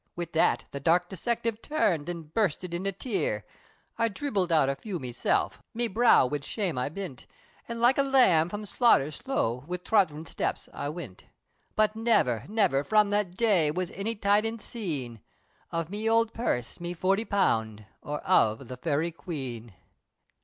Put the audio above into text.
Wid that, the dark dissective turned, An' bursted in a tear! I dhribbled out a few meself, Me brow, wid shame I bint, An' like a lamb, from slaughter, slow, Wid tottherin' steps I wint, But never, never from that day, Was any tidins' seen, Of me owld purse, me forty pound! Or of the Fairy Queen!